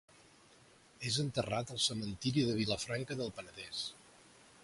És enterrat al Cementiri de Vilafranca del Penedès.